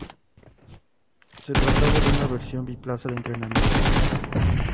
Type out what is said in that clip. Se trataba de una versión biplaza de entrenamiento.